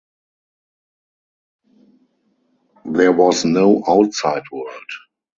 There was no outside world.